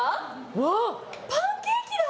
うわパンケーキだ！